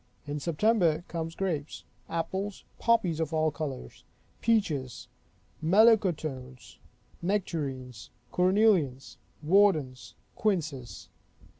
In September come grapes; apples; poppies of all colors; peaches; melocotones; nectarines; cornelians; wardens; quinces.